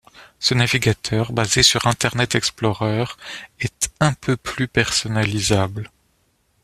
Ce navigateur, basé sur Internet Explorer, est un peu plus personnalisable.